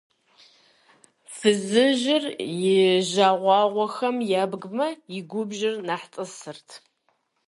Фызыжьыр и жагъуэгъухэм ебгмэ, и губжьыр нэхъ тӀысырт.